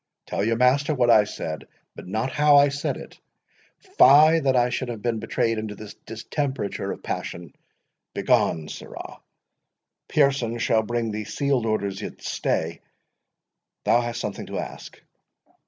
Tell your master what I said—but not how I said it—Fie, that I should have been betrayed into this distemperature of passion!— begone, sirrah. Pearson shall bring thee sealed orders—Yet, stay—thou hast something to ask."